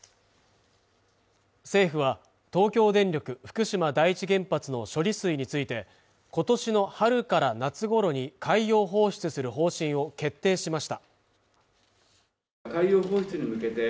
政府は東京電力福島第１原発の処理水について今年の春から夏ごろに海洋放出する方針を決定しました